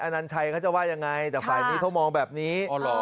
นันชัยเขาจะว่ายังไงแต่ฝ่ายนี้เขามองแบบนี้